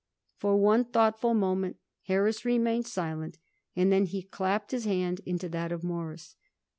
For one thoughtful moment Harris remained silent, and then he clapped his hand into that of Morris.